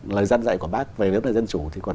lời dân dạy của bác về lời dân chủ thì còn